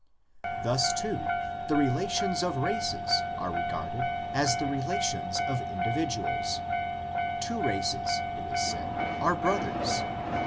Thus too the relations of races are regarded as the relations of individuals: two races it is said, are brothers, i.